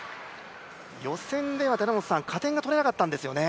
予選では、加点が取れなかったんですよね。